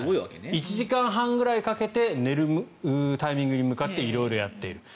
１時間半ぐらいかけて寝るタイミングに向かって色々やっている。